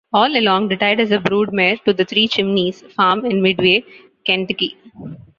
All Along retired as a broodmare to the Three Chimneys Farm in Midway, Kentucky.